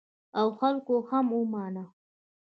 او خلکو هم ومانه.